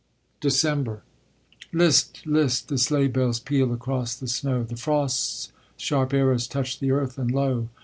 DECEMBER List! list! the sleigh bells peal across the snow; The frost's sharp arrows touch the earth and lo!